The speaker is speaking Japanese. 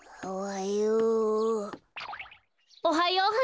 おはよう。